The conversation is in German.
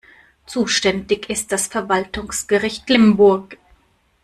Zuständig ist das Verwaltungsgericht Limburg.